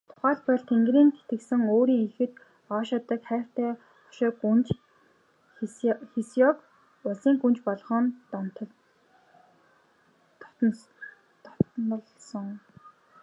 Тухайлбал, Тэнгэрийн тэтгэсэн өөрийн ихэд ойшоодог хайртай хошой гүнж Хэсяог улсын гүнж болгон дотнолсон.